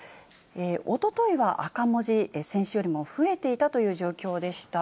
おとといは赤文字、先週よりも増えていたという状況でした。